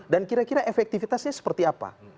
dan kira kira efektivitasnya seperti apa